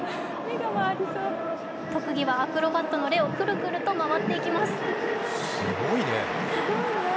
特技はアクロバットのレオくるくる回っていきます。